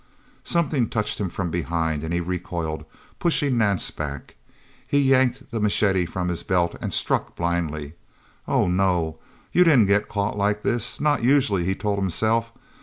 Something touched him from behind, and he recoiled, pushing Nance back. He yanked the machete from his belt, and struck blindly... Oh, no! you didn't get caught like this not usually, he told himself.